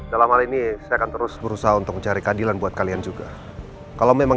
dalam hal ini saya akan terus berusaha untuk mencari keadilan buat kalian juga kalau memang